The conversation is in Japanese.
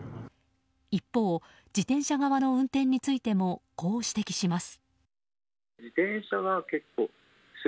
一方、自転車側の運転についてもこう指摘します。